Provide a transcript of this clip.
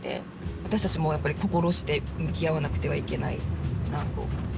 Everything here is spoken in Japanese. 私たちもやっぱり心して向き合わなくてはいけないなと。